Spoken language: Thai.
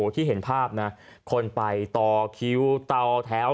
ที่เห็นภาพนะคนไปต่อคิวเตาแถว